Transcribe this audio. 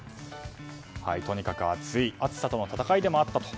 とにかく暑い暑さとの戦いでもあったと。